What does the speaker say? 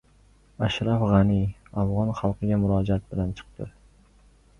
Ashraf G‘ani afg‘on xalqiga murojaat bilan chiqdi